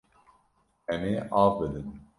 Em ê av bidin.